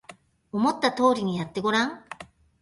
思った通りにやってごらん